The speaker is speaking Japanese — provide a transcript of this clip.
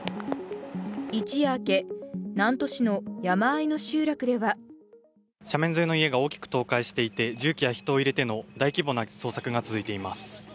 一夜明け、南砺市の山間の集落では斜面沿いの家が大きく倒壊していて、重機や人を入れての大規模な捜索が続いています。